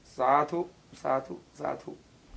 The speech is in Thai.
สาธุสาธุสาธุ